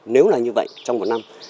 nếu là như vậy trong một năm